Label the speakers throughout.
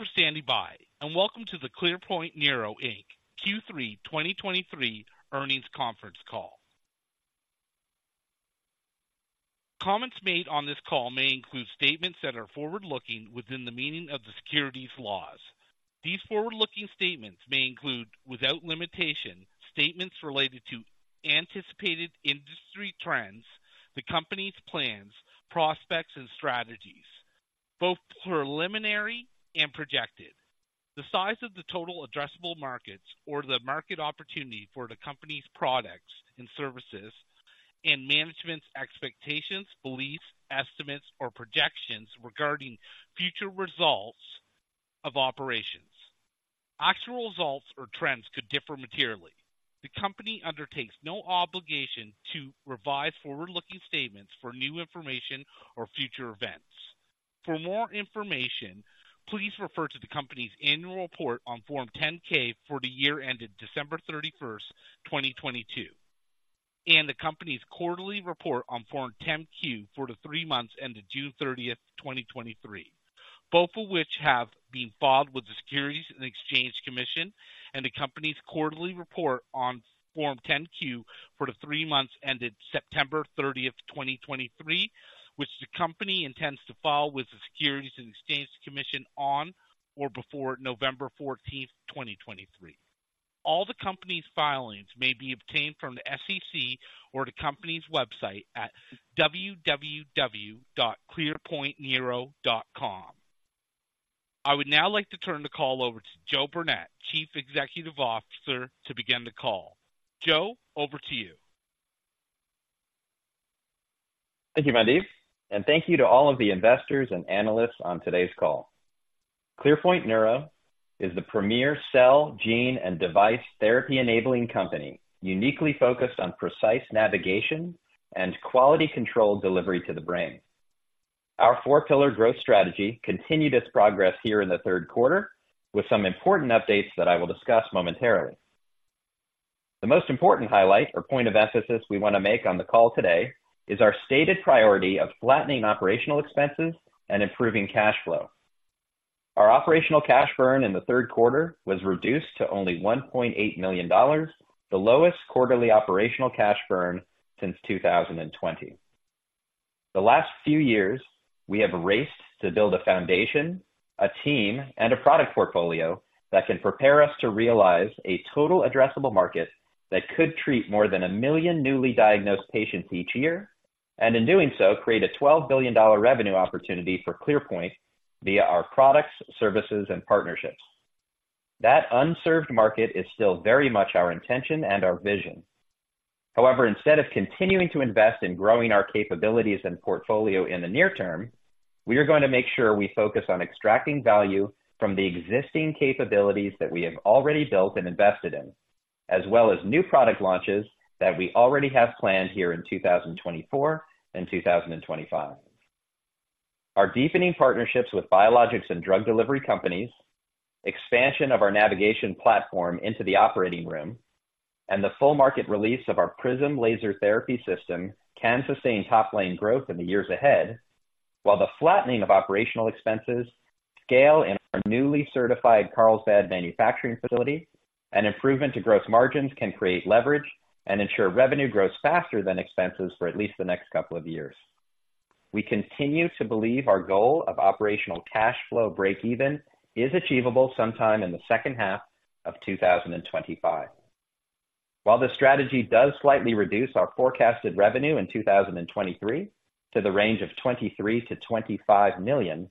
Speaker 1: Thank you for standing by, and welcome to the ClearPoint Neuro, Inc. Q3 2023 earnings conference call. Comments made on this call may include statements that are forward-looking within the meaning of the securities laws. These forward-looking statements may include, without limitation, statements related to anticipated industry trends, the company's plans, prospects, and strategies, both preliminary and projected. The size of the total addressable markets or the market opportunity for the company's products and services, and management's expectations, beliefs, estimates, or projections regarding future results of operations. Actual results or trends could differ materially. The company undertakes no obligation to revise forward-looking statements for new information or future events. For more information, please refer to the company's annual report on Form 10-K for the year ended December 31, 2022, and the company's quarterly report on Form 10-Q for the three months ended June 30, 2023, both of which have been filed with the Securities and Exchange Commission, and the company's quarterly report on Form 10-Q for the three months ended September 30, 2023, which the company intends to file with the Securities and Exchange Commission on or before November 14, 2023. All the company's filings may be obtained from the SEC or the company's website at www.clearpointneuro.com. I would now like to turn the call over to Joe Burnett, Chief Executive Officer, to begin the call. Joe, over to you.
Speaker 2: Thank you, Mandeep, and thank you to all of the investors and analysts on today's call. ClearPoint Neuro is the premier cell, gene, and device therapy-enabling company, uniquely focused on precise navigation and quality control delivery to the brain. Our four-pillar growth strategy continued its progress here in the third quarter, with some important updates that I will discuss momentarily. The most important highlight or point of emphasis we want to make on the call today is our stated priority of flattening operational expenses and improving cash flow. Our operational cash burn in the third quarter was reduced to only $1.8 million, the lowest quarterly operational cash burn since 2020. The last few years, we have raced to build a foundation, a team, and a product portfolio that can prepare us to realize a total addressable market that could treat more than 1 million newly diagnosed patients each year, and in doing so, create a $12 billion revenue opportunity for ClearPoint via our products, services, and partnerships. That unserved market is still very much our intention and our vision. However, instead of continuing to invest in growing our capabilities and portfolio in the near term, we are going to make sure we focus on extracting value from the existing capabilities that we have already built and invested in, as well as new product launches that we already have planned here in 2024 and 2025. Our deepening partnerships with biologics and drug delivery companies, expansion of our navigation platform into the operating room, and the full market release of our Prism Laser Therapy System can sustain top line growth in the years ahead, while the flattening of operational expenses scale in our newly certified Carlsbad manufacturing facility and improvement to gross margins can create leverage and ensure revenue grows faster than expenses for at least the next couple of years. We continue to believe our goal of operational cash flow break even is achievable sometime in the second half of 2025. While the strategy does slightly reduce our forecasted revenue in 2023 to the range of $23 million-$25 million,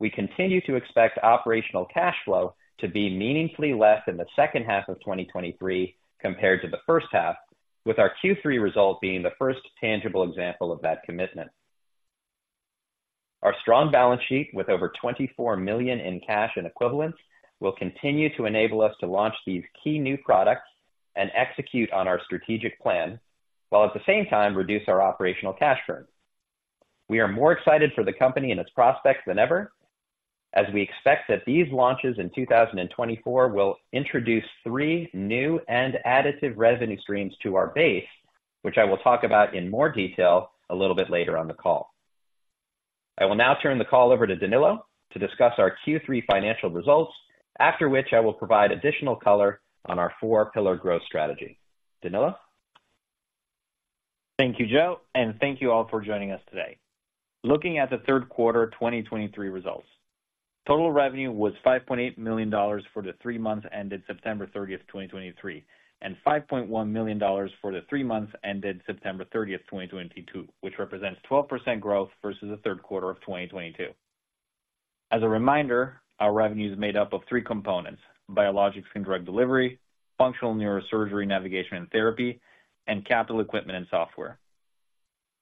Speaker 2: we continue to expect operational cash flow to be meaningfully less in the second half of 2023 compared to the first half, with our Q3 result being the first tangible example of that commitment. Our strong balance sheet, with over $24 million in cash and equivalents, will continue to enable us to launch these key new products and execute on our strategic plan, while at the same time reduce our operational cash burn. We are more excited for the company and its prospects than ever, as we expect that these launches in 2024 will introduce three new and additive revenue streams to our base, which I will talk about in more detail a little bit later on the call. I will now turn the call over to Danilo to discuss our Q3 financial results, after which I will provide additional color on our four-pillar growth strategy. Danilo?
Speaker 3: Thank you, Joe, and thank you all for joining us today. Looking at the third quarter 2023 results. Total revenue was $5.8 million for the three months ended September 30, 2023, and $5.1 million for the three months ended September 30, 2022, which represents 12% growth versus the third quarter of 2022. As a reminder, our revenue is made up of three components: biologics and drug delivery, functional neurosurgery, navigation and therapy, and capital equipment and software.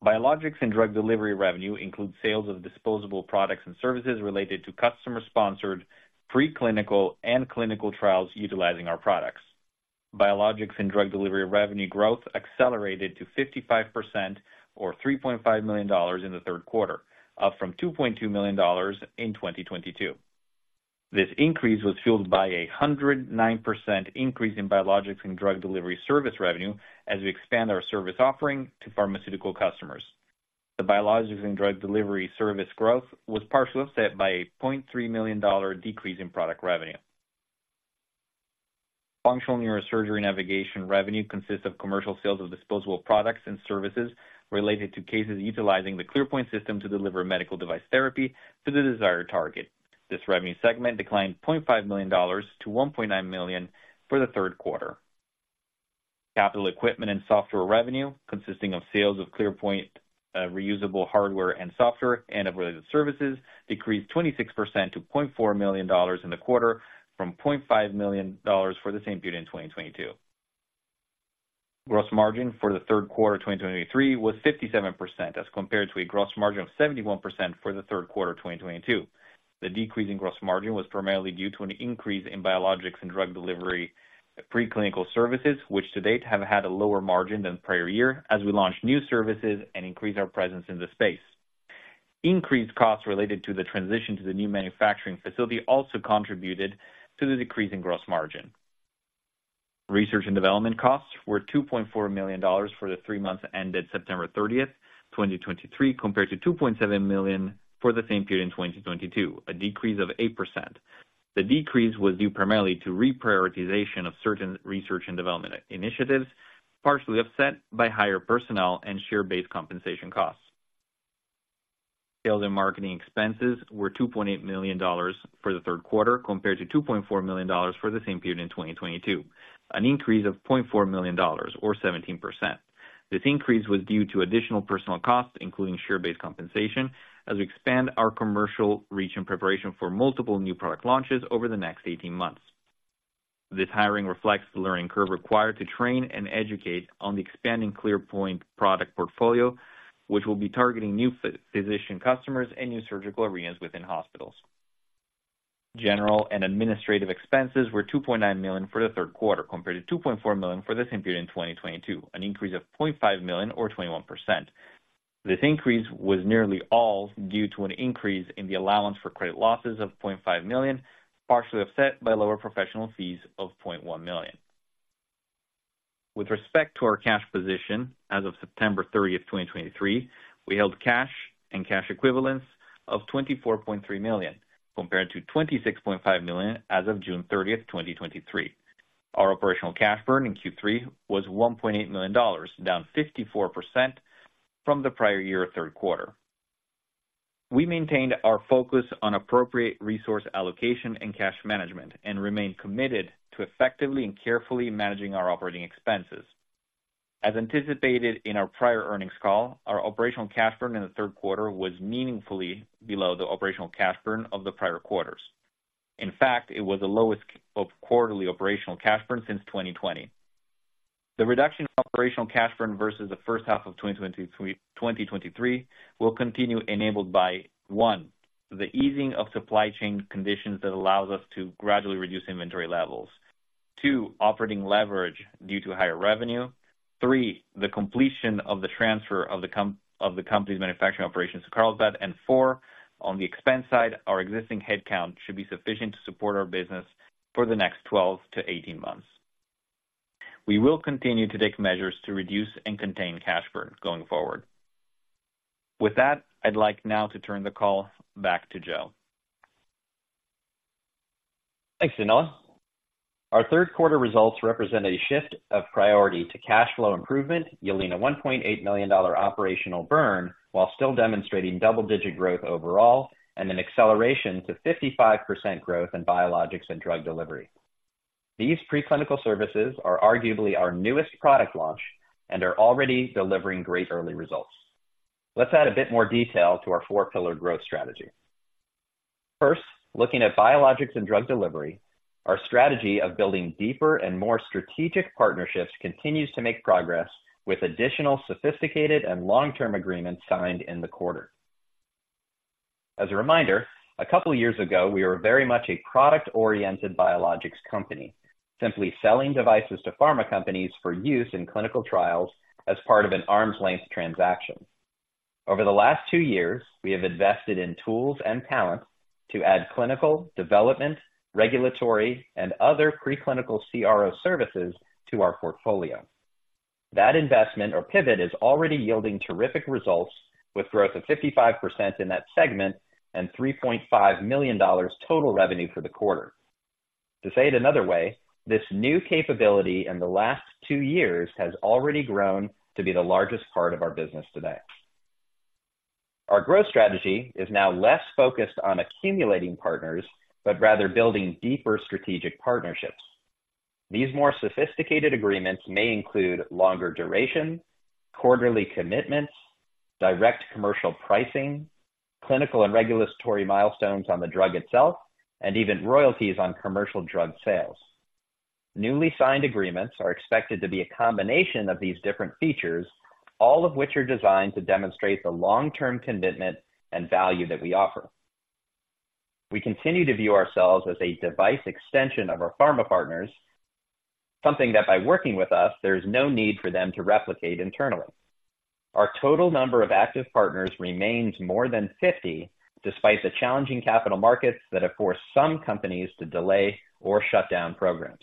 Speaker 3: Biologics and drug delivery revenue includes sales of disposable products and services related to customer-sponsored, preclinical and clinical trials utilizing our products. Biologics and drug delivery revenue growth accelerated to 55% or $3.5 million in the third quarter, up from $2.2 million in 2022. This increase was fueled by 109% increase in biologics and drug delivery service revenue as we expand our service offering to pharmaceutical customers. The biologics and drug delivery service growth was partially offset by a $0.3 million decrease in product revenue. Functional neurosurgery navigation revenue consists of commercial sales of disposable products and services related to cases utilizing the ClearPoint system to deliver medical device therapy to the desired target. This revenue segment declined $0.5 million to $1.9 million for the third quarter. Capital equipment and software revenue, consisting of sales of ClearPoint reusable hardware and software and of related services, decreased 26% to $0.4 million in the quarter, from $0.5 million for the same period in 2022. Gross margin for the third quarter, 2023, was 57%, as compared to a gross margin of 71% for the third quarter of 2022. The decrease in gross margin was primarily due to an increase in biologics and drug delivery preclinical services, which to date have had a lower margin than the prior year as we launch new services and increase our presence in the space. Increased costs related to the transition to the new manufacturing facility also contributed to the decrease in gross margin. Research and development costs were $2.4 million for the three months ended September 30, 2023, compared to $2.7 million for the same period in 2022, a decrease of 8%. The decrease was due primarily to reprioritization of certain research and development initiatives, partially offset by higher personnel and share-based compensation costs. Sales and marketing expenses were $2.8 million for the third quarter, compared to $2.4 million for the same period in 2022, an increase of $0.4 million or 17%. This increase was due to additional personal costs, including share-based compensation, as we expand our commercial reach in preparation for multiple new product launches over the next 18 months. This hiring reflects the learning curve required to train and educate on the expanding ClearPoint product portfolio, which will be targeting new physician customers and new surgical arenas within hospitals. General and administrative expenses were $2.9 million for the third quarter, compared to $2.4 million for the same period in 2022, an increase of $0.5 million or 21%. This increase was nearly all due to an increase in the allowance for credit losses of $0.5 million, partially offset by lower professional fees of $0.1 million. With respect to our cash position, as of September 30, 2023, we held cash and cash equivalents of $24.3 million, compared to $26.5 million as of June 30, 2023. Our operational cash burn in Q3 was $1.8 million, down 54% from the prior year third quarter. We maintained our focus on appropriate resource allocation and cash management and remain committed to effectively and carefully managing our operating expenses. As anticipated in our prior earnings call, our operational cash burn in the third quarter was meaningfully below the operational cash burn of the prior quarters. In fact, it was the lowest of quarterly operational cash burn since 2020. The reduction in operational cash burn versus the first half of 2023 will continue, enabled by, one, the easing of supply chain conditions that allows us to gradually reduce inventory levels. two, operating leverage due to higher revenue. three, the completion of the transfer of the company's manufacturing operations to Carlsbad, and four, on the expense side, our existing headcount should be sufficient to support our business for the next 12 -18 months. We will continue to take measures to reduce and contain cash burn going forward. With that, I'd like now to turn the call back to Joe.
Speaker 2: Thanks, Danilo. Our third quarter results represent a shift of priority to cash flow improvement, yielding a $1.8 million operational burn, while still demonstrating double-digit growth overall and an acceleration to 55% growth in biologics and drug delivery. These preclinical services are arguably our newest product launch and are already delivering great early results. Let's add a bit more detail to our four-pillared growth strategy. First, looking at biologics and drug delivery, our strategy of building deeper and more strategic partnerships continues to make progress, with additional sophisticated and long-term agreements signed in the quarter. As a reminder, a couple years ago, we were very much a product-oriented biologics company, simply selling devices to pharma companies for use in clinical trials as part of an arm's-length transaction. Over the last two years, we have invested in tools and talent to add clinical, development, regulatory, and other preclinical CRO services to our portfolio. That investment or pivot is already yielding terrific results, with growth of 55% in that segment and $3.5 million total revenue for the quarter. To say it another way, this new capability in the last two years has already grown to be the largest part of our business today. Our growth strategy is now less focused on accumulating partners, but rather building deeper strategic partnerships. These more sophisticated agreements may include longer duration, quarterly commitments, direct commercial pricing, clinical and regulatory milestones on the drug itself, and even royalties on commercial drug sales. Newly signed agreements are expected to be a combination of these different features, all of which are designed to demonstrate the long-term commitment and value that we offer. We continue to view ourselves as a device extension of our pharma partners, something that by working with us, there is no need for them to replicate internally. Our total number of active partners remains more than 50, despite the challenging capital markets that have forced some companies to delay or shut down programs.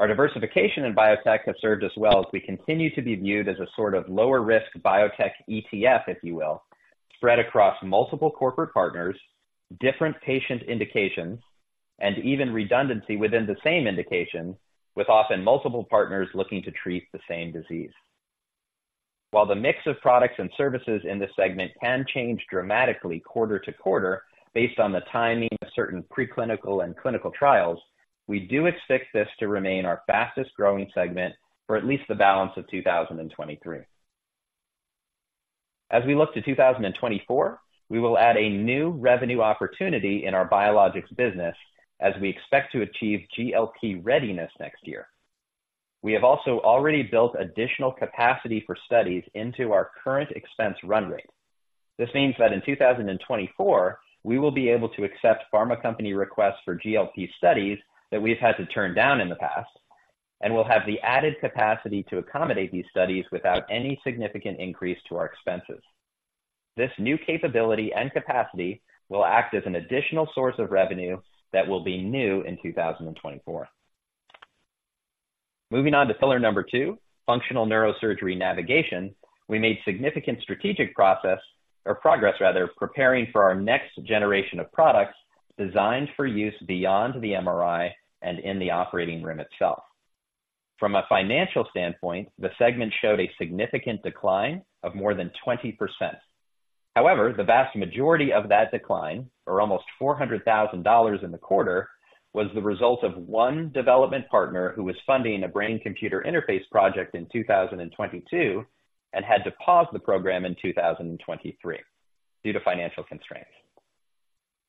Speaker 2: Our diversification in biotech has served us well as we continue to be viewed as a sort of lower-risk biotech ETF, if you will, spread across multiple corporate partners, different patient indications, and even redundancy within the same indication, with often multiple partners looking to treat the same disease. While the mix of products and services in this segment can change dramatically quarter to quarter based on the timing of certain preclinical and clinical trials, we do expect this to remain our fastest-growing segment for at least the balance of 2023. As we look to 2024, we will add a new revenue opportunity in our biologics business as we expect to achieve GLP readiness next year. We have also already built additional capacity for studies into our current expense run rate. This means that in 2024, we will be able to accept pharma company requests for GLP studies that we've had to turn down in the past, and we'll have the added capacity to accommodate these studies without any significant increase to our expenses. This new capability and capacity will act as an additional source of revenue that will be new in 2024. Moving on to pillar number two, functional neurosurgery navigation. We made significant strategic progress rather, preparing for our next generation of products designed for use beyond the MRI and in the operating room itself. From a financial standpoint, the segment showed a significant decline of more than 20%. However, the vast majority of that decline, or almost $400,000 in the quarter, was the result of one development partner who was funding a brain-computer interface project in 2022 and had to pause the program in 2023 due to financial constraints.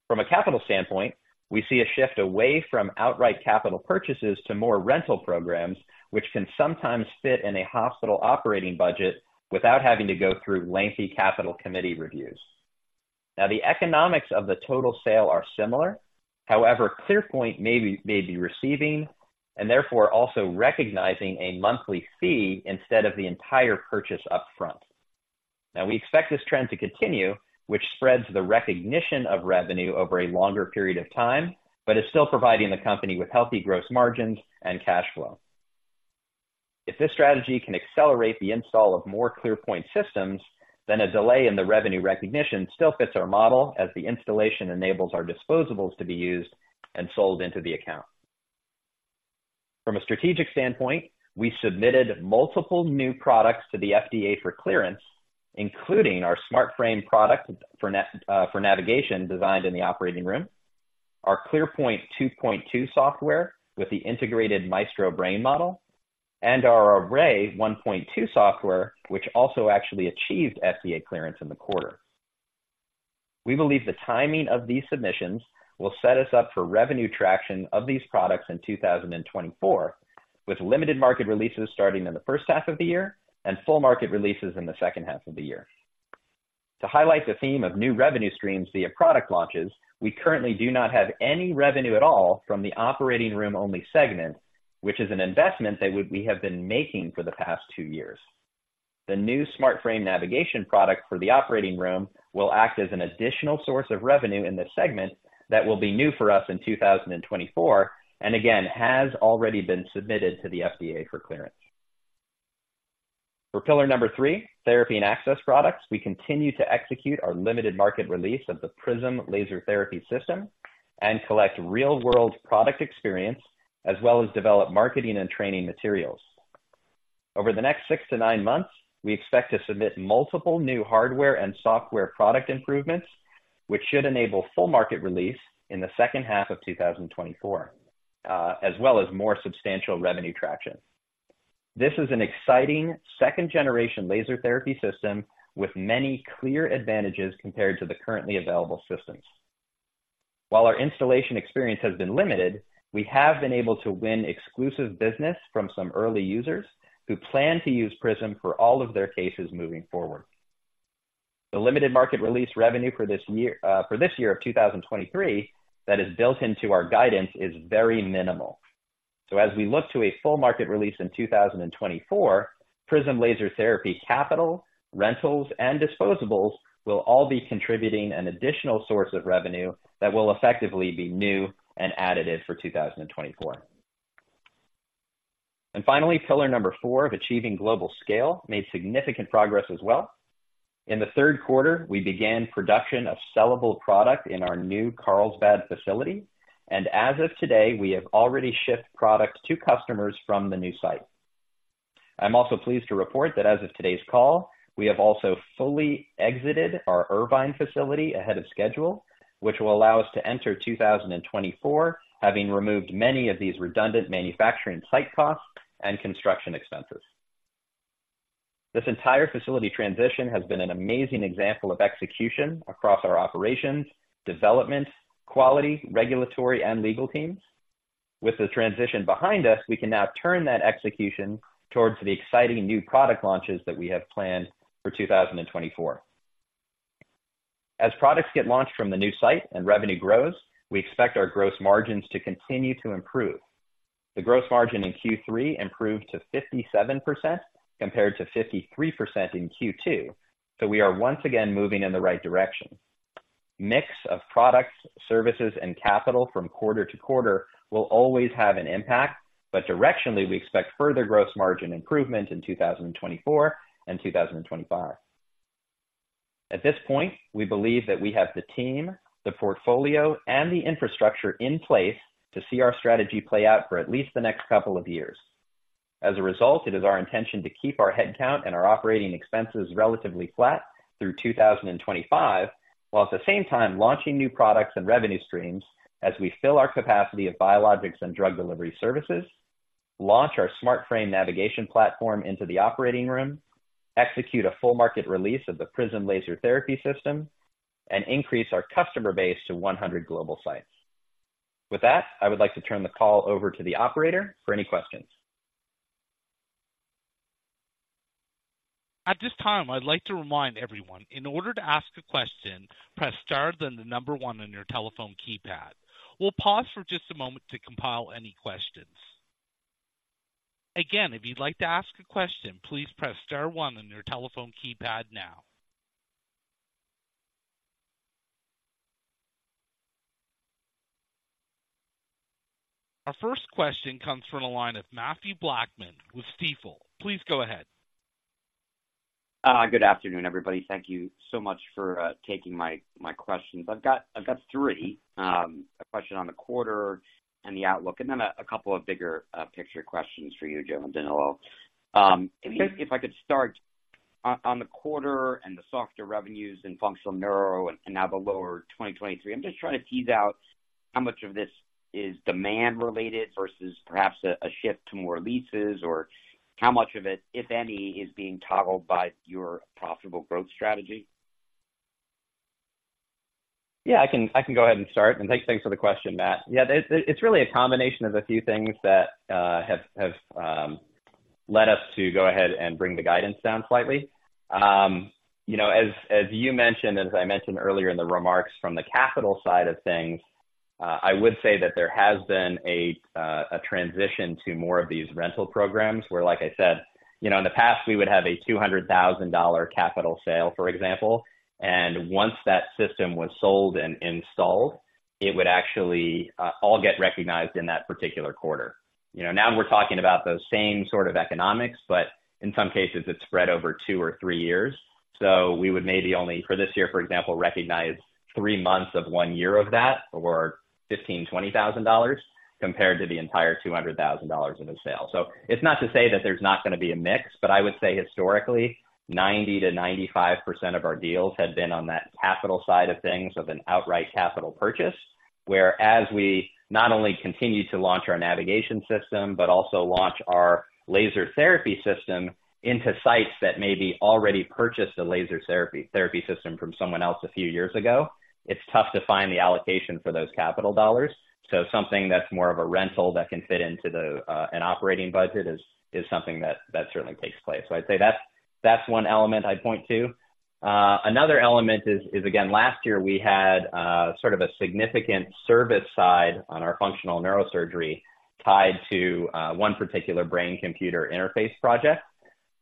Speaker 2: From a capital standpoint, we see a shift away from outright capital purchases to more rental programs, which can sometimes fit in a hospital operating budget without having to go through lengthy capital committee reviews. Now, the economics of the total sale are similar, however, ClearPoint may be, may be receiving and therefore also recognizing a monthly fee instead of the entire purchase upfront. Now, we expect this trend to continue, which spreads the recognition of revenue over a longer period of time, but is still providing the company with healthy gross margins and cash flow. If this strategy can accelerate the install of more ClearPoint systems, then a delay in the revenue recognition still fits our model as the installation enables our disposables to be used and sold into the account. From a strategic standpoint, we submitted multiple new products to the FDA for clearance, including our SmartFrame OR product for navigation designed in the operating room, our ClearPoint 2.2 software with the integrated Maestro Brain Model, and our Array 1.2 software, which also actually achieved FDA clearance in the quarter. We believe the timing of these submissions will set us up for revenue traction of these products in 2024, with limited market releases starting in the first half of the year and full market releases in the second half of the year. To highlight the theme of new revenue streams via product launches, we currently do not have any revenue at all from the operating room-only segment, which is an investment that we have been making for the past two years. The new SmartFrame navigation product for the operating room will act as an additional source of revenue in this segment that will be new for us in 2024, and again, has already been submitted to the FDA for clearance. For pillar number three, Therapy and Access Products, we continue to execute our Limited Market Release of the Prism Laser Therapy System and collect real-world product experience, as well as develop marketing and training materials. Over the next six to nine months, we expect to submit multiple new hardware and software product improvements, which should enable full market release in the second half of 2024, as well as more substantial revenue traction. This is an exciting second-generation laser therapy system with many clear advantages compared to the currently available systems. While our installation experience has been limited, we have been able to win exclusive business from some early users who plan to use Prism for all of their cases moving forward. The limited market release revenue for this year, for this year of 2023, that is built into our guidance, is very minimal. So as we look to a full market release in 2024, Prism Laser Therapy, capital, rentals, and disposables will all be contributing an additional source of revenue that will effectively be new and additive for 2024. And finally, pillar number four of achieving global scale made significant progress as well. In the third quarter, we began production of sellable product in our new Carlsbad facility, and as of today, we have already shipped products to customers from the new site. I'm also pleased to report that as of today's call, we have also fully exited our Irvine facility ahead of schedule, which will allow us to enter 2024, having removed many of these redundant manufacturing site costs and construction expenses. This entire facility transition has been an amazing example of execution across our operations, development, quality, regulatory, and legal teams. With the transition behind us, we can now turn that execution towards the exciting new product launches that we have planned for 2024. As products get launched from the new site and revenue grows, we expect our gross margins to continue to improve. The gross margin in Q3 improved to 57%, compared to 53% in Q2, so we are once again moving in the right direction. Mix of products, services, and capital from quarter to quarter will always have an impact, but directionally, we expect further gross margin improvement in 2024 and 2025. At this point, we believe that we have the team, the portfolio, and the infrastructure in place to see our strategy play out for at least the next couple of years. As a result, it is our intention to keep our headcount and our operating expenses relatively flat through 2025, while at the same time launching new products and revenue streams as we fill our capacity of biologics and drug delivery services, launch our SmartFrame navigation platform into the operating room, execute a full market release of the Prism Laser Therapy System, and increase our customer base to 100 global sites. With that, I would like to turn the call over to the operator for any questions.
Speaker 1: At this time, I'd like to remind everyone, in order to ask a question, press Star, then the number one on your telephone keypad. We'll pause for just a moment to compile any questions. Again, if you'd like to ask a question, please press Star one on your telephone keypad now. Our first question comes from the line of Matthew Blackman with Stifel. Please go ahead.
Speaker 4: Good afternoon, everybody. Thank you so much for taking my questions. I've got three, a question on the quarter and the outlook, and then a couple of bigger picture questions for you, Joe Burnett. If I could start on the quarter and the softer revenues in functional neuro and now the lower 2023, I'm just trying to tease out how much of this is demand related versus perhaps a shift to more leases, or how much of it, if any, is being toggled by your profitable growth strategy?
Speaker 2: Yeah, I can go ahead and start, and thanks for the question, Matt. Yeah, it's really a combination of a few things that have led us to go ahead and bring the guidance down slightly. You know, as you mentioned, as I mentioned earlier in the remarks from the capital side of things, I would say that there has been a transition to more of these rental programs, where, like I said, you know, in the past, we would have a $200,000 capital sale, for example, and once that system was sold and installed, it would actually all get recognized in that particular quarter. You know, now we're talking about those same sort of economics, but in some cases it's spread over two or three years. So we would maybe only, for this year, for example, recognize three months of one year of that, or $15,000-$20,000, compared to the entire $200,000 of the sale. So it's not to say that there's not going to be a mix, but I would say historically, 90%-95% of our deals had been on that capital side of things, of an outright capital purchase. Whereas we not only continue to launch our navigation system, but also launch our laser therapy system into sites that maybe already purchased a laser therapy system from someone else a few years ago, it's tough to find the allocation for those capital dollars. So something that's more of a rental that can fit into the an operating budget is something that certainly takes place. So I'd say that's, that's one element I'd point to. Another element is, is, again, last year we had, sort of a significant service side on our functional neurosurgery tied to, one particular brain-computer interface project.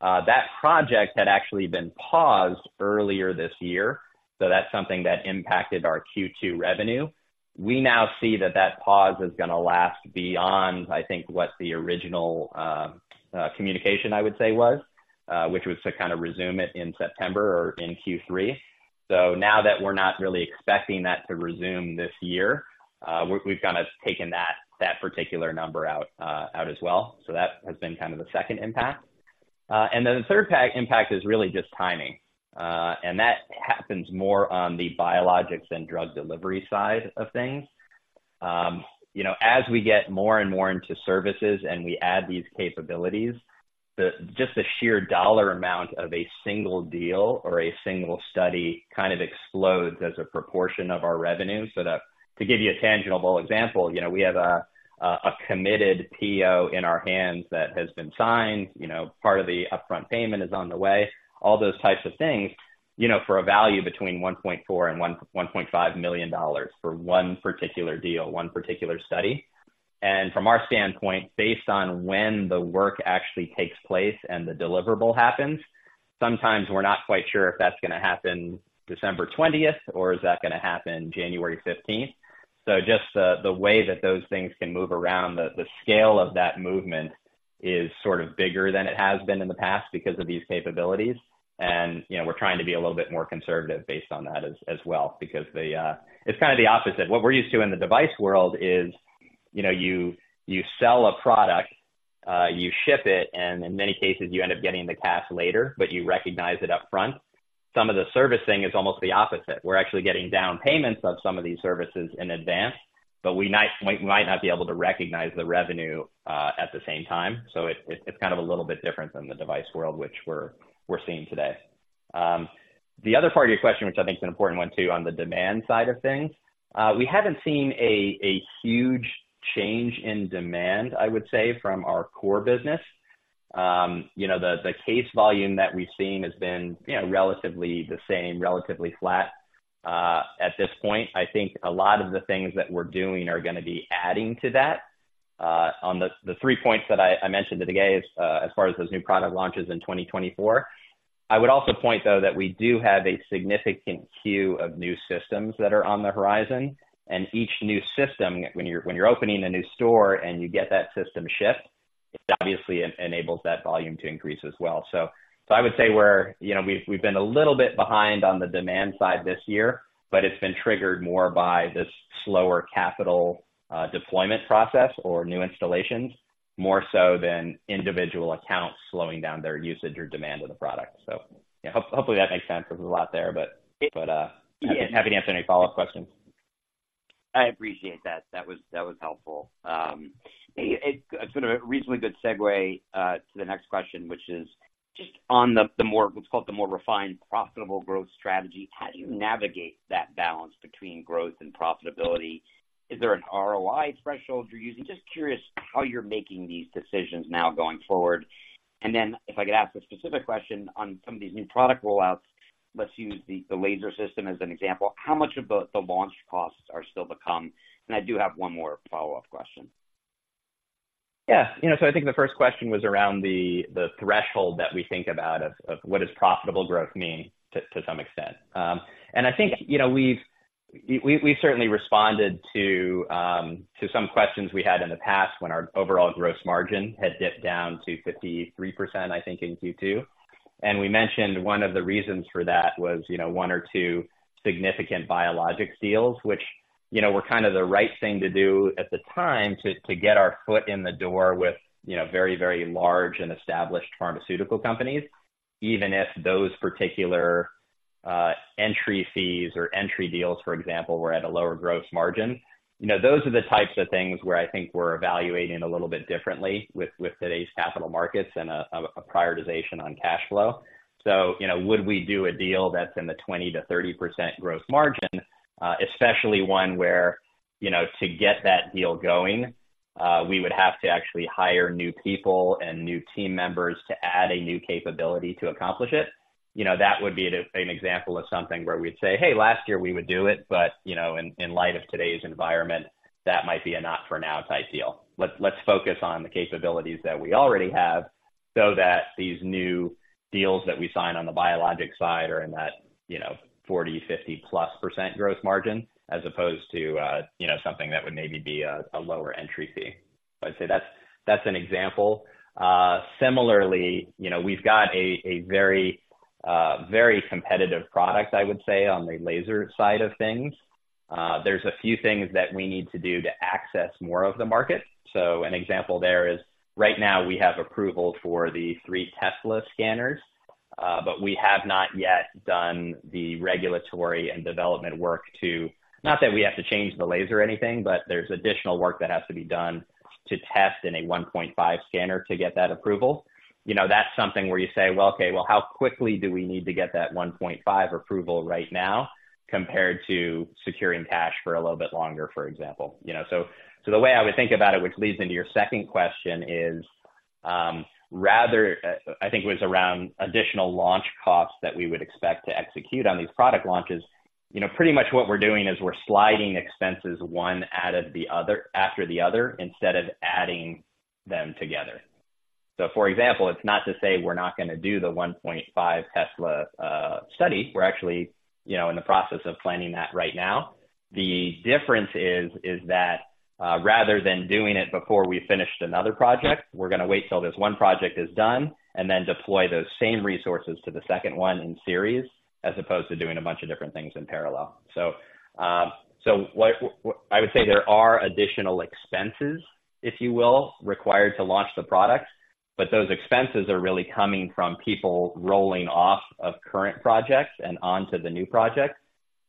Speaker 2: That project had actually been paused earlier this year, so that's something that impacted our Q2 revenue. We now see that, that pause is going to last beyond, I think, what the original, communication I would say was, which was to kind of resume it in September or in Q3. So now that we're not really expecting that to resume this year, we've, we've kind of taken that, that particular number out, out as well. So that has been kind of the second impact. And then the third impact is really just timing, and that happens more on the biologics and drug delivery side of things. You know, as we get more and more into services and we add these capabilities, just the sheer dollar amount of a single deal or a single study kind of explodes as a proportion of our revenue. So to give you a tangible example, you know, we have a committed PO in our hands that has been signed, you know, part of the upfront payment is on the way, all those types of things, you know, for a value between $1.4 million and $1.5 million for one particular deal, one particular study. From our standpoint, based on when the work actually takes place and the deliverable happens, sometimes we're not quite sure if that's going to happen December twentieth, or is that going to happen January 15th. So just the way that those things can move around, the scale of that movement is sort of bigger than it has been in the past because of these capabilities. You know, we're trying to be a little bit more conservative based on that as well, because it's kind of the opposite. What we're used to in the device world is, you know, you sell a product, you ship it, and in many cases, you end up getting the cash later, but you recognize it upfront. Some of the servicing is almost the opposite. We're actually getting down payments of some of these services in advance, but we might not be able to recognize the revenue at the same time. So it's kind of a little bit different than the device world, which we're seeing today. The other part of your question, which I think is an important one too, on the demand side of things, we haven't seen a huge change in demand, I would say, from our core business. You know, the case volume that we've seen has been, you know, relatively the same, relatively flat. At this point, I think a lot of the things that we're doing are going to be adding to that on the three points that I mentioned today, as far as those new product launches in 2024. I would also point, though, that we do have a significant queue of new systems that are on the horizon, and each new system, when you're opening a new store and you get that system shipped, it obviously enables that volume to increase as well. So I would say we're, you know, we've been a little bit behind on the demand side this year, but it's been triggered more by this slower capital deployment process or new installations, more so than individual accounts slowing down their usage or demand of the product. So, you know, hopefully, that makes sense. There's a lot there, but happy to answer any follow-up questions.
Speaker 4: I appreciate that. That was, that was helpful. It's been a reasonably good segue to the next question, which is just on the more - what's called the more refined, profitable growth strategy. How do you navigate that balance between growth and profitability? Is there an ROI threshold you're using? Just curious how you're making these decisions now going forward. And then, if I could ask a specific question on some of these new product rollouts, let's use the laser system as an example. How much of the launch costs are still to come? And I do have one more follow-up question.
Speaker 2: Yeah. You know, so I think the first question was around the threshold that we think about of what does profitable growth mean to some extent. And I think, you know, we've certainly responded to some questions we had in the past when our overall gross margin had dipped down to 53%, I think, in Q2. And we mentioned one of the reasons for that was, you know, one or two significant biologic deals, which, you know, were kind of the right thing to do at the time to get our foot in the door with, you know, very, very large and established pharmaceutical companies, even if those particular entry fees or entry deals, for example, were at a lower gross margin. You know, those are the types of things where I think we're evaluating a little bit differently with today's capital markets and a prioritization on cash flow. So, you know, would we do a deal that's in the 20%-30% growth margin, especially one where, you know, to get that deal going, we would have to actually hire new people and new team members to add a new capability to accomplish it? You know, that would be an example of something where we'd say, "Hey, last year, we would do it, but, you know, in light of today's environment, that might be a not for now type deal." Let's focus on the capabilities that we already have so that these new deals that we sign on the biologic side are in that, you know, 40, 50%+ growth margin, as opposed to, you know, something that would maybe be a lower entry fee. I'd say that's an example. Similarly, you know, we've got a very competitive product, I would say, on the laser side of things. There's a few things that we need to do to access more of the market. So an example there is right now we have approval for the 3 Tesla scanners, but we have not yet done the regulatory and development work to... Not that we have to change the laser or anything, but there's additional work that has to be done to test in a 1.5 scanner to get that approval. You know, that's something where you say: Well, okay, well, how quickly do we need to get that 1.5 approval right now compared to securing cash for a little bit longer, for example? You know, so, so the way I would think about it, which leads into your second question, is, rather, I think it was around additional launch costs that we would expect to execute on these product launches. You know, pretty much what we're doing is we're sliding expenses, one out of the other, after the other, instead of adding them together. So, for example, it's not to say we're not gonna do the 1.5 Tesla study. We're actually, you know, in the process of planning that right now. The difference is that, rather than doing it before we finished another project, we're gonna wait till this one project is done and then deploy those same resources to the second one in series, as opposed to doing a bunch of different things in parallel. So, I would say there are additional expenses, if you will, required to launch the product, but those expenses are really coming from people rolling off of current projects and onto the new projects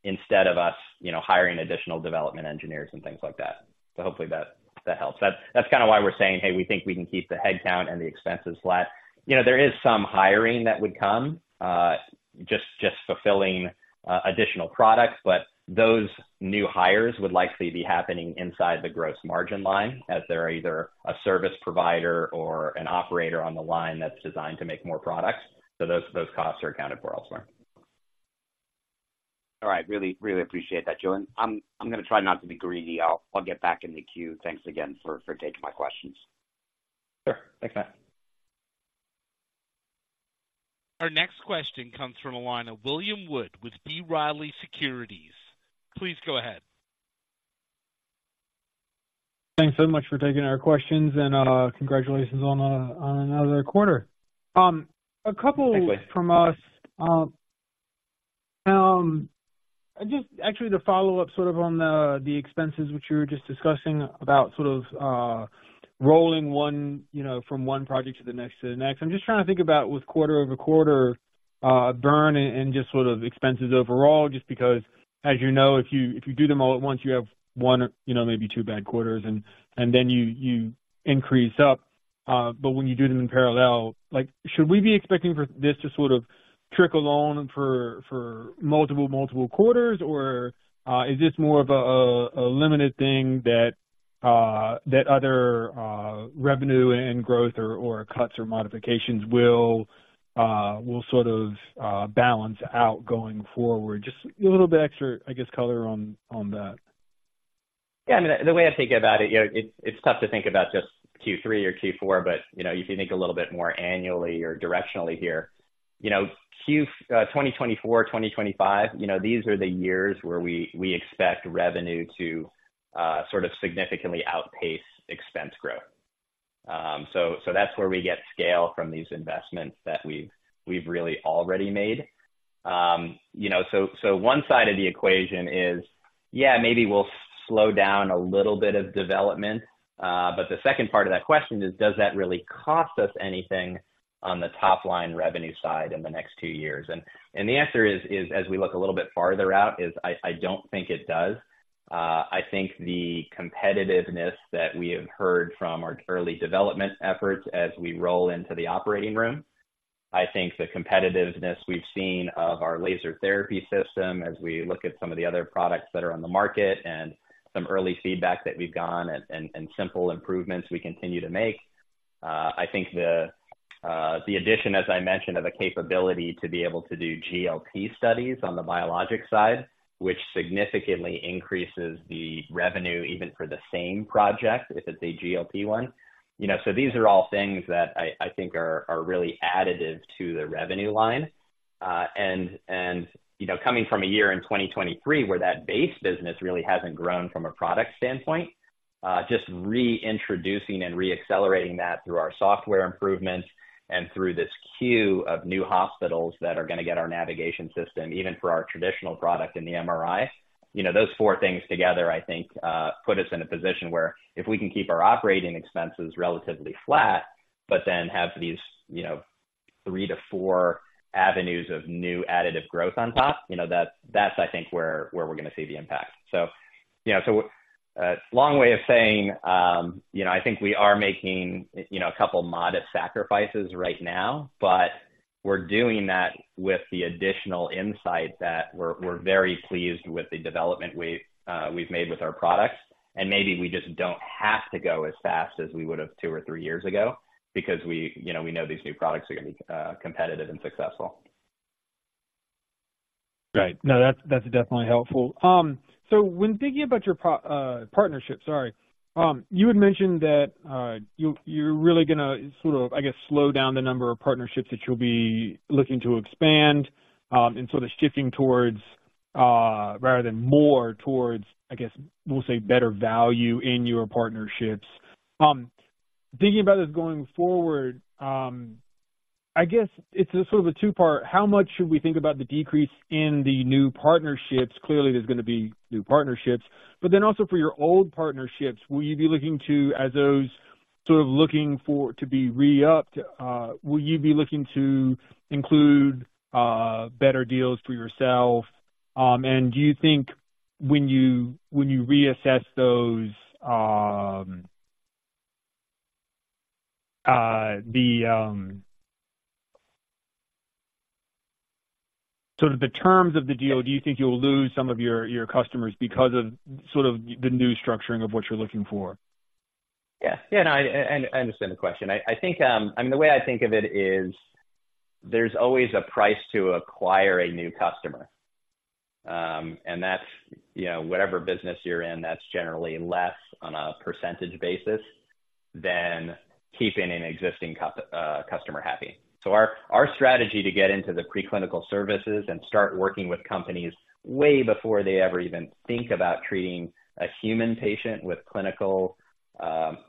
Speaker 2: instead of us, you know, hiring additional development engineers and things like that. So hopefully that helps. That's kind of why we're saying, "Hey, we think we can keep the headcount and the expenses flat." You know, there is some hiring that would come, just fulfilling additional products, but those new hires would likely be happening inside the gross margin line as they're either a service provider or an operator on the line that's designed to make more products. So those costs are accounted for elsewhere.
Speaker 4: All right. Really, really appreciate that, Joe. I'm gonna try not to be greedy. I'll get back in the queue. Thanks again for taking my questions.
Speaker 2: Sure. Thanks, Matt.
Speaker 1: Our next question comes from the line of William Wood with B. Riley Securities. Please go ahead.
Speaker 5: Thanks so much for taking our questions, and, congratulations on, on another quarter. A couple-
Speaker 2: Thanks, William.
Speaker 5: From us. Just actually to follow up sort of on the, the expenses, which you were just discussing, about sort of, rolling one, you know, from one project to the next to the next. I'm just trying to think about with quarter-over-quarter, burn and, and just sort of expenses overall, just because as you know, if you, if you do them all at once, you have one or, you know, maybe two bad quarters, and, and then you, you increase up. But when you do them in parallel, like, should we be expecting for this to sort of trickle on for, for multiple, multiple quarters? Or, is this more of a, a, a limited thing that, that other, revenue and growth or, or cuts or modifications will sort of, balance out going forward? Just a little bit extra, I guess, color on that.
Speaker 2: Yeah, I mean, the way I think about it, you know, it's tough to think about just Q3 or Q4, but, you know, if you think a little bit more annually or directionally here, you know, 2024, 2025, you know, these are the years where we expect revenue to sort of significantly outpace expense growth. So that's where we get scale from these investments that we've really already made. You know, so one side of the equation is, yeah, maybe we'll slow down a little bit of development. But the second part of that question is, does that really cost us anything on the top line revenue side in the next two years? And the answer is, as we look a little bit farther out, I don't think it does. I think the competitiveness that we have heard from our early development efforts as we roll into the operating room. I think the competitiveness we've seen of our laser therapy system as we look at some of the other products that are on the market and some early feedback that we've gotten and simple improvements we continue to make. I think the addition, as I mentioned, of a capability to be able to do GLP studies on the biologic side, which significantly increases the revenue even for the same project, if it's a GLP one. You know, so these are all things that I think are really additive to the revenue line. And, and, you know, coming from a year in 2023, where that base business really hasn't grown from a product standpoint, just reintroducing and reaccelerating that through our software improvements and through this queue of new hospitals that are going to get our navigation system, even for our traditional product in the MRI. You know, those four things together, I think, put us in a position where if we can keep our operating expenses relatively flat, but then have these, you know, three to four avenues of new additive growth on top, you know, that's, that's I think, where, where we're going to see the impact. So, you know, a long way of saying, you know, I think we are making, you know, a couple modest sacrifices right now, but we're doing that with the additional insight that we're very pleased with the development we've made with our products, and maybe we just don't have to go as fast as we would have two or three years ago because we, you know, we know these new products are going to be competitive and successful.
Speaker 5: Right. No, that's definitely helpful. So when thinking about your partnership, sorry, you had mentioned that you, you're really gonna sort of, I guess, slow down the number of partnerships that you'll be looking to expand, and sort of shifting towards rather than more towards, I guess, we'll say, better value in your partnerships. Thinking about this going forward, I guess it's sort of a two-part. How much should we think about the decrease in the new partnerships? Clearly, there's going to be new partnerships, but then also for your old partnerships, will you be looking to, as those sort of looking for to be re-upped, will you be looking to include better deals for yourself? And do you think when you reassess those, the sort of terms of the deal, do you think you'll lose some of your customers because of sort of the new structuring of what you're looking for?
Speaker 2: Yeah. Yeah, no, I, I understand the question. I, I think, I mean, the way I think of it is, there's always a price to acquire a new customer. And that's, you know, whatever business you're in, that's generally less on a percentage basis than keeping an existing customer happy. So our, our strategy to get into the preclinical services and start working with companies way before they ever even think about treating a human patient with clinical,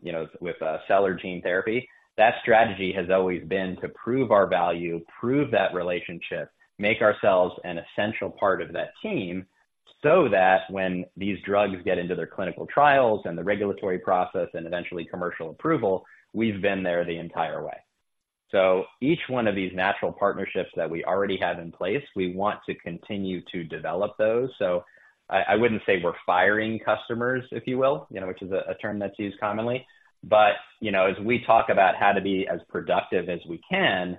Speaker 2: you know, with a cellular gene therapy, that strategy has always been to prove our value, prove that relationship, make ourselves an essential part of that team, so that when these drugs get into their clinical trials and the regulatory process and eventually commercial approval, we've been there the entire way. So each one of these natural partnerships that we already have in place, we want to continue to develop those. I wouldn't say we're firing customers, if you will, you know, which is a term that's used commonly. But, you know, as we talk about how to be as productive as we can,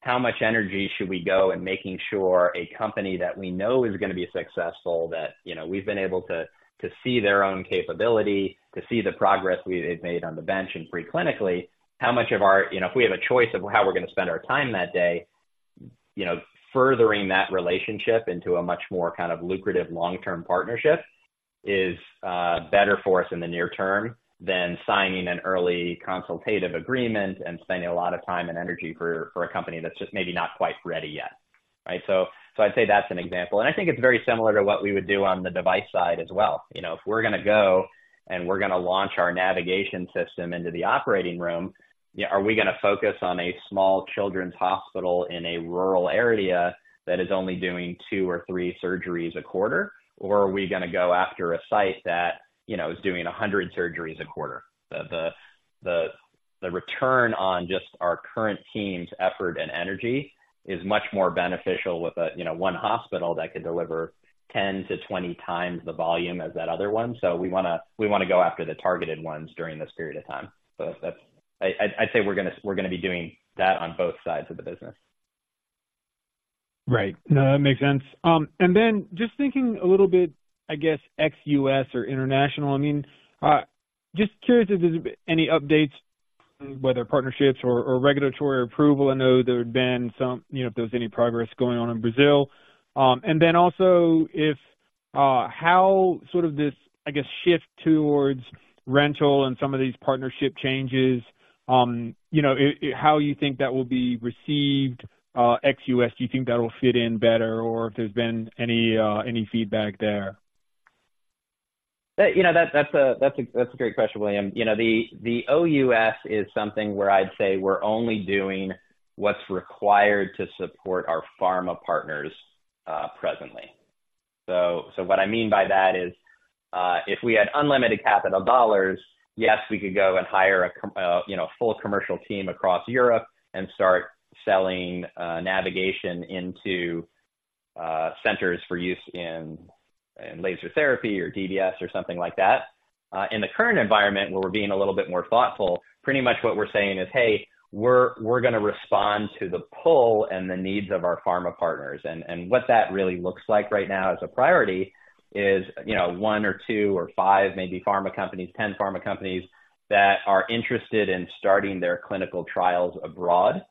Speaker 2: how much energy should we go in making sure a company that we know is going to be successful, that, you know, we've been able to see their own capability, to see the progress we've made on the bench and preclinically, how much of our... You know, if we have a choice of how we're going to spend our time that day, you know, furthering that relationship into a much more kind of lucrative long-term partnership is better for us in the near term than signing an early consultative agreement and spending a lot of time and energy for a company that's just maybe not quite ready yet. Right? So, I'd say that's an example, and I think it's very similar to what we would do on the device side as well. You know, if we're going to go and we're going to launch our navigation system into the operating room, yeah, are we going to focus on a small children's hospital in a rural area that is only doing two or three surgeries a quarter? Or are we going to go after a site that, you know, is doing 100 surgeries a quarter? The return on just our current team's effort and energy is much more beneficial with a, you know, one hospital that could deliver 10-20 times the volume as that other one. So we wanna go after the targeted ones during this period of time. So that's, I'd say we're gonna be doing that on both sides of the business....
Speaker 5: Right. No, that makes sense. And then just thinking a little bit, I guess, ex-US or international, I mean, just curious if there's any updates, whether partnerships or, or regulatory approval. I know there had been some, you know, if there's any progress going on in Brazil. And then also if, how sort of this, I guess, shift towards rental and some of these partnership changes, you know, how you think that will be received, ex-US? Do you think that'll fit in better or if there's been any, any feedback there?
Speaker 2: You know, that's a great question, William. You know, the OUS is something where I'd say we're only doing what's required to support our pharma partners, presently. So what I mean by that is, if we had unlimited capital dollars, yes, we could go and hire, you know, a full commercial team across Europe and start selling navigation into centers for use in laser therapy or DDS or something like that. In the current environment, where we're being a little bit more thoughtful, pretty much what we're saying is, "Hey, we're going to respond to the pull and the needs of our pharma partners." And what that really looks like right now as a priority is, you know, one or two or five, maybe pharma companies, 10 pharma companies, that are interested in starting their clinical trials abroad.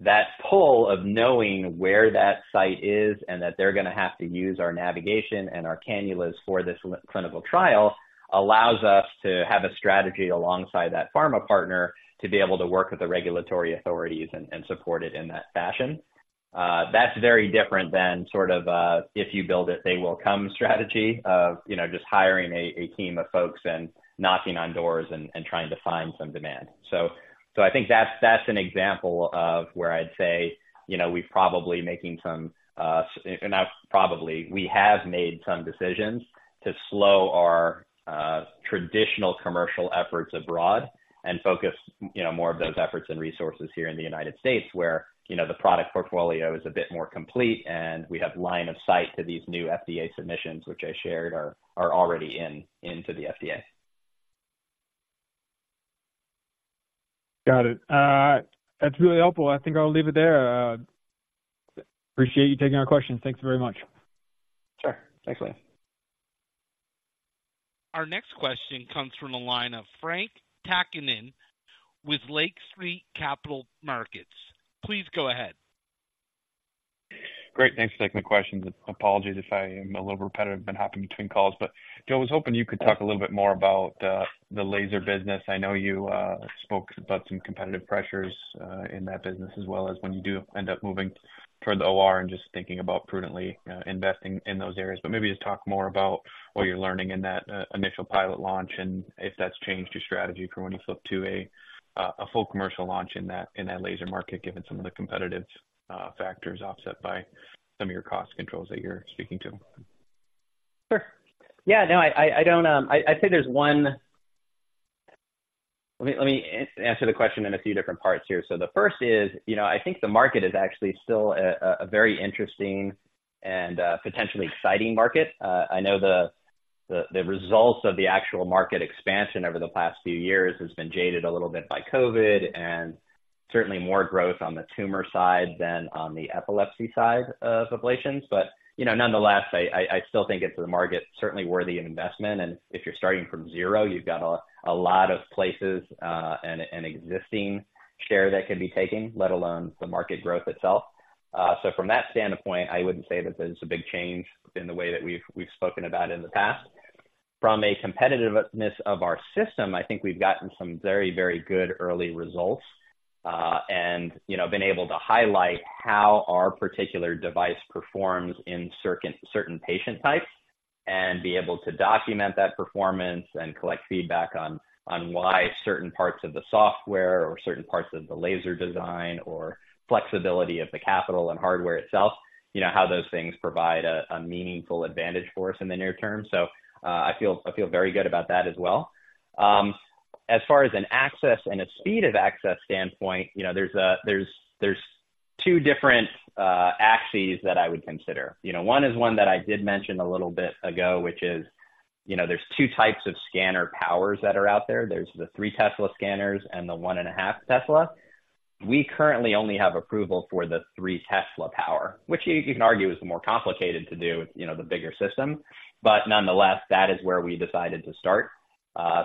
Speaker 2: That pull of knowing where that site is, and that they're going to have to use our navigation and our cannulas for this clinical trial, allows us to have a strategy alongside that pharma partner to be able to work with the regulatory authorities and support it in that fashion. That's very different than sort of, if you build it, they will come strategy of, you know, just hiring a team of folks and knocking on doors and trying to find some demand. So, I think that's an example of where I'd say, you know, we've probably making some, not probably, we have made some decisions to slow our traditional commercial efforts abroad and focus, you know, more of those efforts and resources here in the United States, where, you know, the product portfolio is a bit more complete, and we have line of sight to these new FDA submissions, which I shared are already into the FDA.
Speaker 5: Got it. That's really helpful. I think I'll leave it there. Appreciate you taking our questions. Thank you very much.
Speaker 2: Sure. Thanks, William.
Speaker 1: Our next question comes from the line of Frank Takkinen with Lake Street Capital Markets. Please go ahead.
Speaker 6: Great. Thanks for taking the question. Apologies if I am a little repetitive, been hopping between calls, but Joe, I was hoping you could talk a little bit more about the laser business. I know you spoke about some competitive pressures in that business, as well as when you do end up moving toward the OR and just thinking about prudently investing in those areas. But maybe just talk more about what you're learning in that initial pilot launch, and if that's changed your strategy for when you flip to a full commercial launch in that laser market, given some of the competitive factors offset by some of your cost controls that you're speaking to.
Speaker 2: Sure. Yeah, no, I don't. I think there's one. Let me answer the question in a few different parts here. So the first is, you know, I think the market is actually still a very interesting and potentially exciting market. I know the results of the actual market expansion over the past few years has been jaded a little bit by COVID, and certainly more growth on the tumor side than on the epilepsy side of ablations. But, you know, nonetheless, I still think it's a market certainly worthy of investment, and if you're starting from zero, you've got a lot of places and existing share that could be taken, let alone the market growth itself. So from that standpoint, I wouldn't say that there's a big change in the way that we've spoken about it in the past. From a competitiveness of our system, I think we've gotten some very, very good early results, and, you know, been able to highlight how our particular device performs in certain patient types, and be able to document that performance and collect feedback on why certain parts of the software or certain parts of the laser design or flexibility of the capital and hardware itself, you know, how those things provide a meaningful advantage for us in the near term. So, I feel very good about that as well. As far as an access and a speed of access standpoint, you know, there's two different axes that I would consider. You know, one is one that I did mention a little bit ago, which is, you know, there's two types of scanner powers that are out there. There's the 3 Tesla scanners and the 1.5 Tesla. We currently only have approval for the 3 Tesla power, which you can argue is more complicated to do, you know, the bigger system. But nonetheless, that is where we decided to start.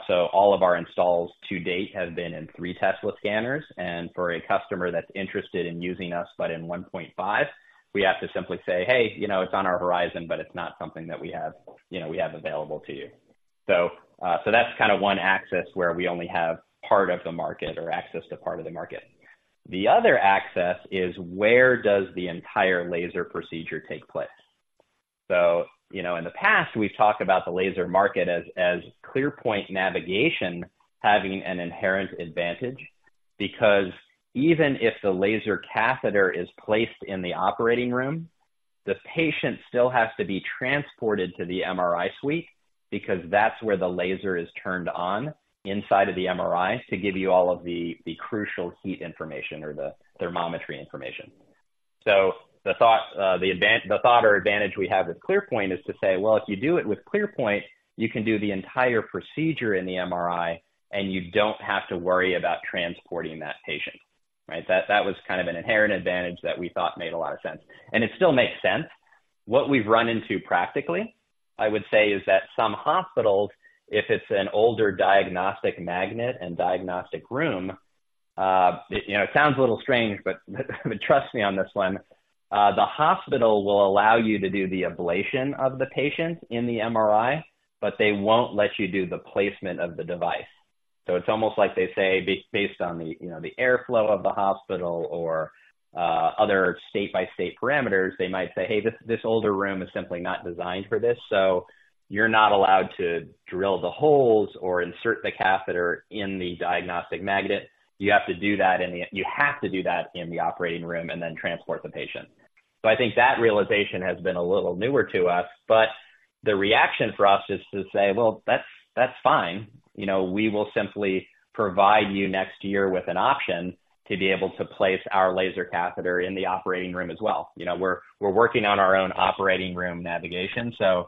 Speaker 2: So all of our installs to date have been in 3 Tesla scanners, and for a customer that's interested in using us, but in 1.5, we have to simply say, "Hey, you know, it's on our horizon, but it's not something that we have, you know, we have available to you." So, so that's kind of one aspect where we only have part of the market or access to part of the market. The other access is where does the entire laser procedure take place? So, you know, in the past, we've talked about the laser market as ClearPoint navigation having an inherent advantage, because even if the laser catheter is placed in the operating room, the patient still has to be transported to the MRI suite, because that's where the laser is turned on, inside of the MRI, to give you all of the crucial heat information or the thermometry information. So the thought or advantage we have with ClearPoint is to say, well, if you do it with ClearPoint, you can do the entire procedure in the MRI, and you don't have to worry about transporting that patient, right? That was kind of an inherent advantage that we thought made a lot of sense, and it still makes sense... What we've run into practically, I would say, is that some hospitals, if it's an older diagnostic magnet and diagnostic room, you know, it sounds a little strange, but trust me on this one, the hospital will allow you to do the ablation of the patient in the MRI, but they won't let you do the placement of the device. So it's almost like they say, based on the, you know, the airflow of the hospital or other state-by-state parameters, they might say, "Hey, this older room is simply not designed for this, so you're not allowed to drill the holes or insert the catheter in the diagnostic magnet. You have to do that in the... You have to do that in the operating room and then transport the patient." So I think that realization has been a little newer to us, but the reaction for us is to say, "Well, that's, that's fine. You know, we will simply provide you next year with an option to be able to place our laser catheter in the operating room as well." You know, we're, we're working on our own operating room navigation, so,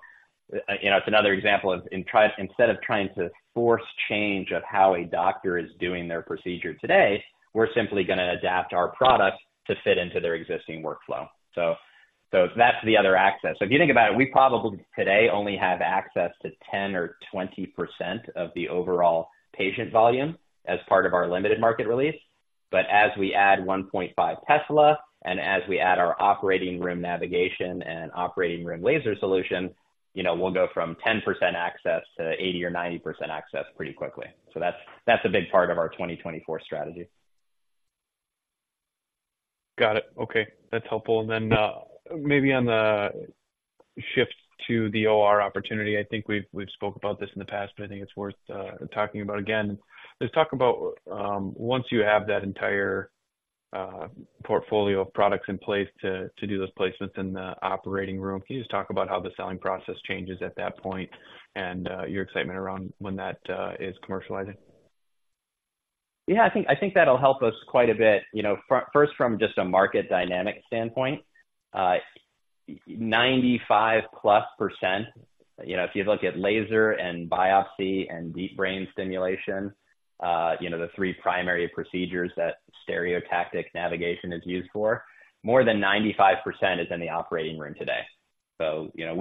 Speaker 2: you know, it's another example of instead of trying to force change of how a doctor is doing their procedure today, we're simply going to adapt our product to fit into their existing workflow. So, so that's the other access. So if you think about it, we probably today only have access to 10%-20% of the overall patient volume as part of our limited market release. But as we add 1.5 Tesla, and as we add our operating room navigation and operating room laser solution, you know, we'll go from 10% access to 80% or 90% access pretty quickly. So that's a big part of our 2024 strategy.
Speaker 6: Got it. Okay, that's helpful. And then, maybe on the shift to the OR opportunity, I think we've spoke about this in the past, but I think it's worth talking about again. Let's talk about once you have that entire portfolio of products in place to do those placements in the operating room, can you just talk about how the selling process changes at that point and your excitement around when that is commercializing?
Speaker 2: Yeah, I think, I think that'll help us quite a bit. You know, first, from just a market dynamic standpoint, 95%+, you know, if you look at laser and biopsy and deep brain stimulation, you know, the three primary procedures that stereotactic navigation is used for, more than 95% is in the operating room today. So, you know,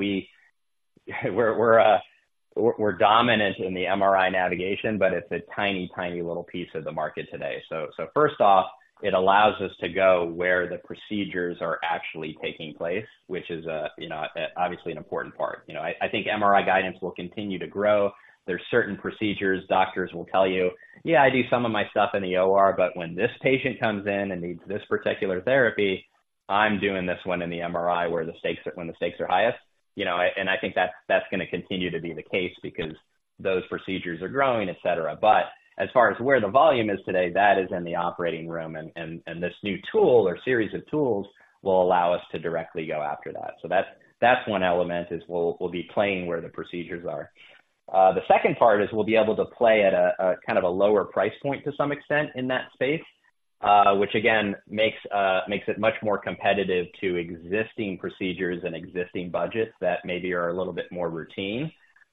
Speaker 2: we're dominant in the MRI navigation, but it's a tiny, tiny little piece of the market today. So, first off, it allows us to go where the procedures are actually taking place, which is, you know, obviously an important part. You know, I think MRI guidance will continue to grow. There's certain procedures, doctors will tell you, "Yeah, I do some of my stuff in the OR, but when this patient comes in and needs this particular therapy, I'm doing this one in the MRI, where the stakes are, when the stakes are highest." You know, and I think that's, that's going to continue to be the case because those procedures are growing, et cetera. But as far as where the volume is today, that is in the operating room, and, and, and this new tool or series of tools will allow us to directly go after that. So that's, that's one element, is we'll, we'll be playing where the procedures are. The second part is we'll be able to play at a, a kind of a lower price point to some extent in that space, which again, makes it much more competitive to existing procedures and existing budgets that maybe are a little bit more routine.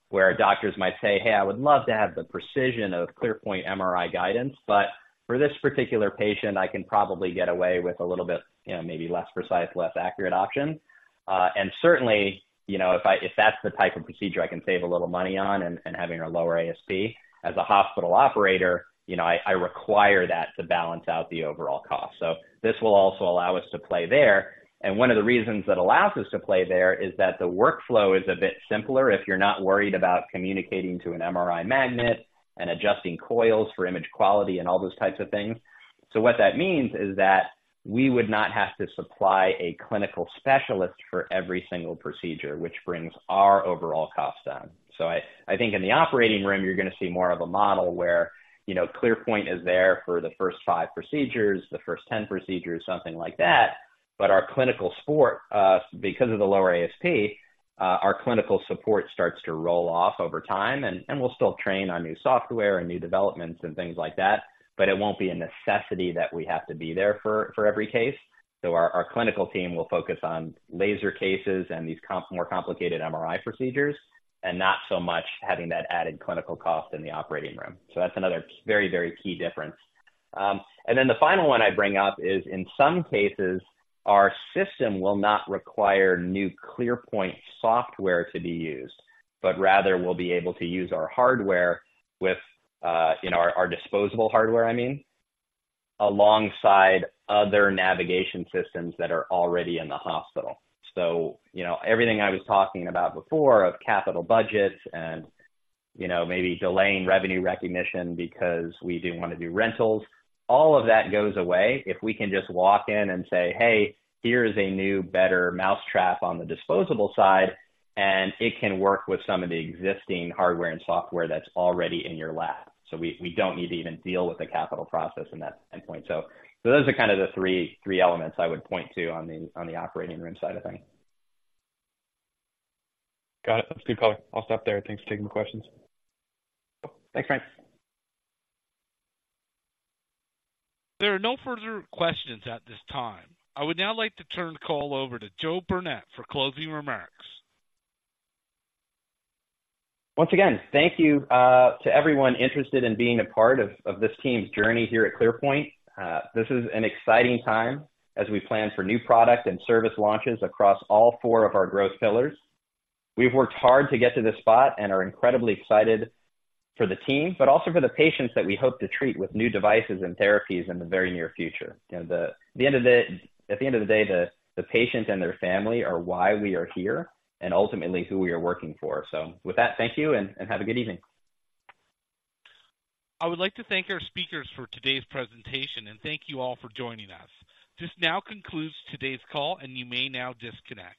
Speaker 2: Where doctors might say, "Hey, I would love to have the precision of ClearPoint MRI guidance, but for this particular patient, I can probably get away with a little bit, you know, maybe less precise, less accurate option. And certainly, you know, if that's the type of procedure I can save a little money on and having a lower ASP as a hospital operator, you know, I require that to balance out the overall cost." So this will also allow us to play there. One of the reasons that allows us to play there is that the workflow is a bit simpler if you're not worried about communicating to an MRI magnet and adjusting coils for image quality and all those types of things. So what that means is that we would not have to supply a clinical specialist for every single procedure, which brings our overall cost down. So I think in the operating room, you're going to see more of a model where, you know, ClearPoint is there for the first 5 procedures, the first 10 procedures, something like that. But our clinical support, because of the lower ASP, our clinical support starts to roll off over time, and we'll still train on new software and new developments and things like that, but it won't be a necessity that we have to be there for every case. So our clinical team will focus on laser cases and these more complicated MRI procedures, and not so much having that added clinical cost in the operating room. So that's another very, very key difference. And then the final one I bring up is, in some cases, our system will not require new ClearPoint software to be used, but rather we'll be able to use our hardware with, you know, our disposable hardware, I mean, alongside other navigation systems that are already in the hospital. So, you know, everything I was talking about before of capital budgets and, you know, maybe delaying revenue recognition because we do want to do rentals, all of that goes away if we can just walk in and say, "Hey, here is a new, better mousetrap on the disposable side, and it can work with some of the existing hardware and software that's already in your lab. So we don't need to even deal with the capital process and that endpoint." So those are kind of the three elements I would point to on the operating room side of things.
Speaker 6: Got it. Good color. I'll stop there. Thanks for taking the questions.
Speaker 2: Thanks, Frank.
Speaker 1: There are no further questions at this time. I would now like to turn the call over to Joe Burnett for closing remarks.
Speaker 2: Once again, thank you to everyone interested in being a part of this team's journey here at ClearPoint. This is an exciting time as we plan for new product and service launches across all four of our growth pillars. We've worked hard to get to this spot and are incredibly excited for the team, but also for the patients that we hope to treat with new devices and therapies in the very near future. You know, the end of the day, the patient and their family are why we are here and ultimately who we are working for. So with that, thank you, and have a good evening.
Speaker 1: I would like to thank our speakers for today's presentation, and thank you all for joining us. This now concludes today's call, and you may now disconnect.